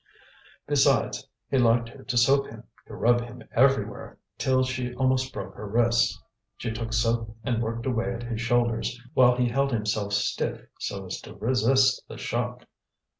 Besides, he liked her to soap him, to rub him everywhere till she almost broke her wrists. She took soap and worked away at his shoulders while he held himself stiff so as to resist the shock.